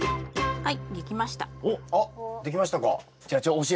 はい。